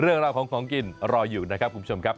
เรื่องราวของของกินรออยู่นะครับคุณผู้ชมครับ